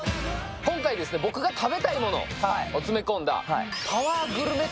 今回、僕が食べたいものを詰め込んだパワーグルメ旅。